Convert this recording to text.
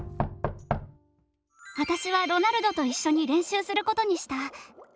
私はロナルドと一緒に練習することにした。